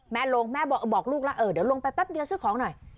แม่ลงแม่บอกลูกหละเดี๋ยวลงไปป๊ะเดียวของหน่อย